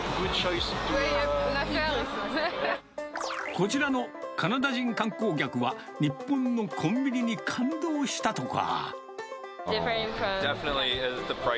こちらのカナダ人観光客は、日本のコンビニに感動したとか。